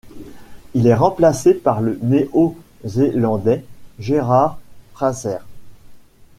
Il est remplacé par le néo-zélandais Gerard Fraser.